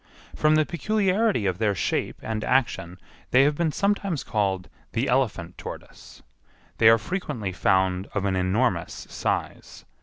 From the peculiarity of their shape and action they have been sometimes called the elephant tortoise. They are frequently found of an enormous size.